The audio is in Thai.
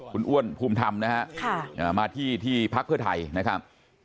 คุณอ้วนภูมิธรรมนะฮะมาที่ที่พักเพื่อไทยนะครับ